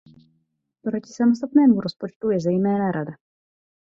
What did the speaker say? Proti samostatnému rozpočtu je zejména Rada.